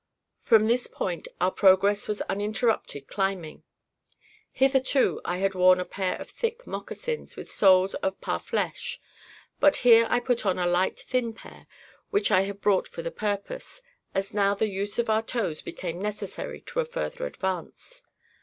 From this point our progress was uninterrupted climbing. Hitherto, I had worn a pair of thick moccasins, with soles of parflêche; but here I put on a light thin pair, which I had brought for the purpose, as now the use of our toes became necessary to a further advance.